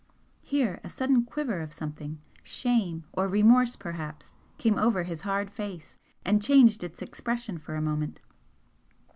Here a sudden quiver of something, shame or remorse perhaps came over his hard face and changed its expression for a moment.